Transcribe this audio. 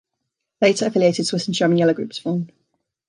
Later, affiliated Swiss and German "Yellow" groups formed.